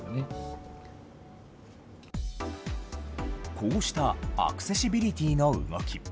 こうしたアクセシビリティの動き。